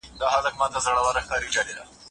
له دې وړاندې هم پښتو ژبه په همداسې پلمو